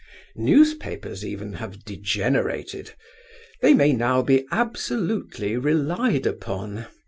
Newspapers, even, have degenerated. They may now be absolutely relied upon.